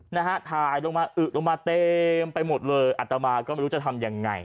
นะฮะถ่ายลงมาอึลงมาเต็มไปหมดเลยอัตมาก็ไม่รู้จะทำยังไง